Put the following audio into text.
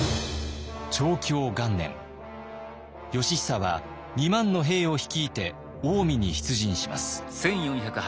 義尚は２万の兵を率いて近江に出陣します。